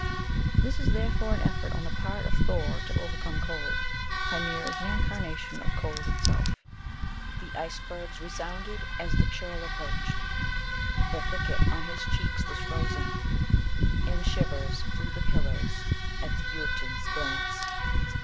This is therefore an effort on the part of Thor to overcome Cold. Hymir is the incarnation of Cold itself. " The icebergs resounded as the churl approached ; GLOOSKAP THE DIVINITY. 81 the thicket on his cheeks was frozen. In shivers flew the pillars At the Jotun s glance."